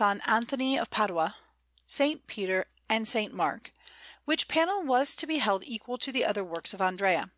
Anthony of Padua, S. Peter, and S. Mark; which panel was held to be equal to the other works of Andrea.